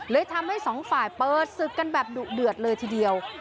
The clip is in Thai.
ทำให้สองฝ่ายเปิดศึกกันแบบดุเดือดเลยทีเดียว